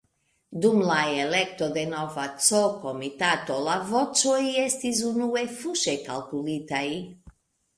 Dum la elekto de nova C-komitatano la voĉoj estis unue fuŝe kalkulitaj.